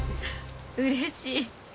うれしい。